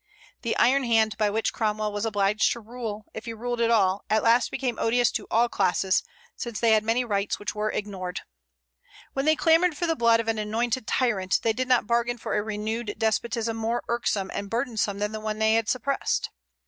The iron hand by which Cromwell was obliged to rule, if he ruled at all, at last became odious to all classes, since they had many rights which were ignored. When they clamored for the blood of an anointed tyrant, they did not bargain for a renewed despotism more irksome and burdensome than the one they had suppressed.